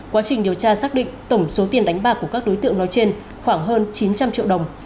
quá trình điều tra xác định tổng số tiền đánh bạc của các đối tượng nói trên khoảng hơn chín trăm linh triệu đồng